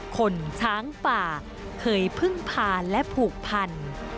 คนช้างป่าเคยพึ่งพาและผูกพัน